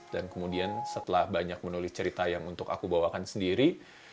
dan kemudian setelah banyak menulis cerita yang untuk aku bawakan sendiri